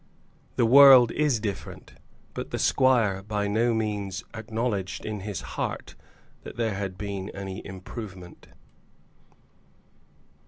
The world is different; but the squire by no means acknowledged in his heart that there had been any improvement.